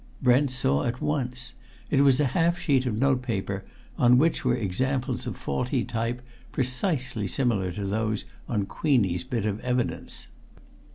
Brent saw at once. It was a half sheet of notepaper, on which were examples of faulty type, precisely similar to those on Queenie's bit of evidence.